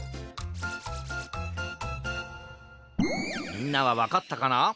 みんなはわかったかな？